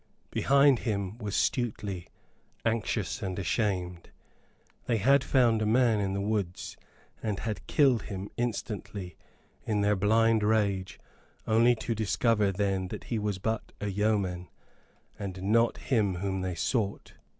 Behind him was Stuteley, anxious and ashamed. They had found a man in the woods, and had killed him instantly, in their blind rage, only to discover then that he was but a yeoman, and not him whom they sought.